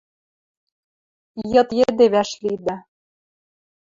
Йыд йӹде вӓшлидӓ